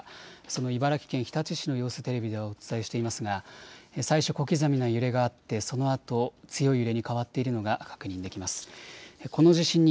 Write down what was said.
その茨城県日立市の様子、テレビではお伝えしていますが最初、小刻みな揺れがあってそのあと強い揺れに変わっているのが確認できます。